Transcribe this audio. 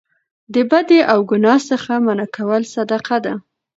د بدۍ او ګناه څخه منع کول صدقه ده